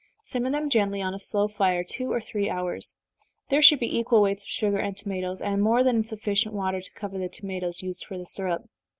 Simmer them gently, on a slow fire, two or three hours. There should be equal weights of sugar and tomatoes, and more than sufficient water to cover the tomatoes, used for the syrup.